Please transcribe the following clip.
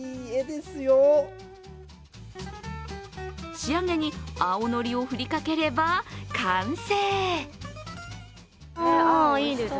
仕上げに青のりを振りかければ完成。